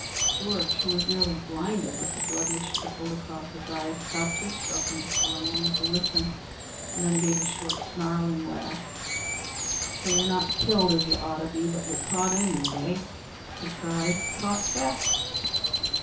Georg, who was nearly blinded with the blood which trickled across his eyes, stopped his struggling for a moment to listen, and then gave a short, snarling laugh. "So you're not killed, as you ought to be, but you're caught, anyway," he cried; "caught fast.